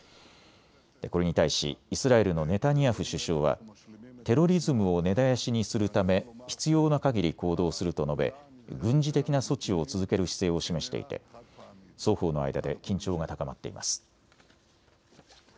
これに対しイスラエルのネタニヤフ首相はテロリズムを根絶やしにするため必要なかぎり行動すると述べ軍事的な措置を続ける姿勢を示していて双方の間で緊張が高まっています。